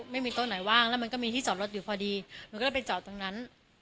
ไม่มีโต๊ะไหนว่างแล้วมันก็มีที่จอดรถอยู่พอดีมันก็เลยไปจอดตรงนั้น